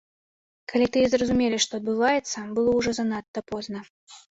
Калі тыя зразумелі, што адбываецца, было ўжо занадта позна.